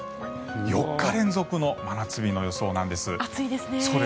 ４日連続の真夏日の予想なんです。